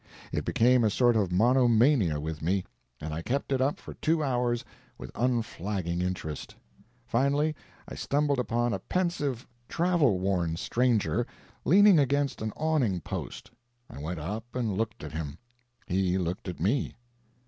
It became a sort of monomania with me, and I kept it up for two hours with unflagging interest. Finally, I stumbled upon a pensive, travel worn stranger, leaning against an awning post. I went up and looked at him. He looked at me.